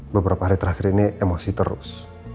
beberapa hari terakhir ini emosi terus